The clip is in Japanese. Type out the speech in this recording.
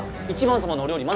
１番様のお料理